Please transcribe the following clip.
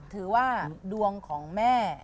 ถือว่าดวงของแม่